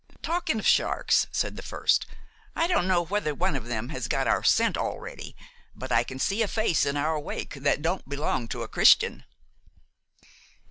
"Talking of sharks," said the first, "I don't know whether one of 'em has got scent of us already, but I can see a face in our wake that don't belong to a Christian."